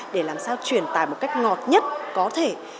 để làm sao truyền tải một cách ngọt nhất có thể